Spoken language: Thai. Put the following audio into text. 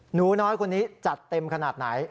หนูน้อยคนนี้จัดเต็มขนาดไหน